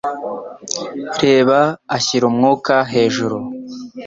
Reba ashyira umwuka hejuru.